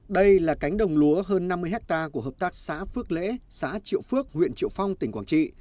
đây là cánh đồng lúa hơn năm mươi hectare của hợp tác xã phước lễ xã triệu phước huyện triệu phong tỉnh quảng trị